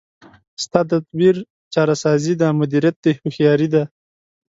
ستا تدبیر چاره سازي ده، مدیریت دی هوښیاري ده